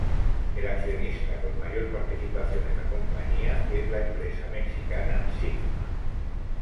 El accionista con mayor participación en la compañía es la empresa mexicana Sigma.